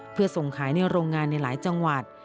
เพื่อส่งขายในโรงงานในหลายจังหวัด